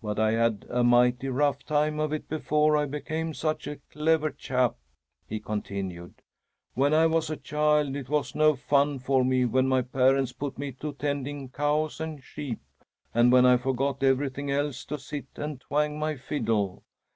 "But I had a mighty rough time of it before I became such a clever chap!" he continued. "When I was a child, it was no fun for me when my parents put me to tending cows and sheep and when I forgot everything else to sit and twang my fiddle.